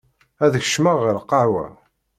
Ad kecmeɣ ɣer lqahwa.